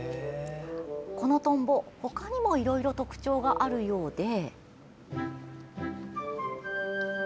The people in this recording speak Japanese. このトンボ、ほかにもいろいろ特徴があるようで。